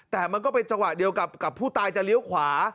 แต่มันก็เป็นจังหวะเดียวกับผู้ตายจะเลี้ยวขวา